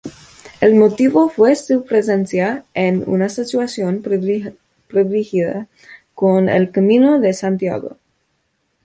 El motivo fue su presencia en una situación privilegiada con el Camino de Santiago.